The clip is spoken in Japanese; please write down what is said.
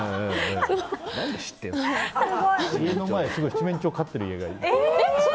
うちの前で七面鳥飼ってる家がいて。